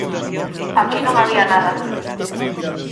Aquí non había nada.